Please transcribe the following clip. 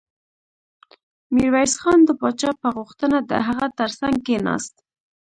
ميرويس خان د پاچا په غوښتنه د هغه تر څنګ کېناست.